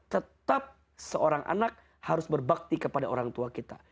tetap seorang anak harus berbakti kepada orang tua kita